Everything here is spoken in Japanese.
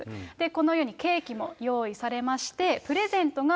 このようにケーキも用意されまして、プレゼントが